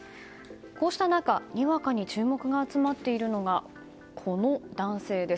こうした中、にわかに注目が集まっているのがこの男性です。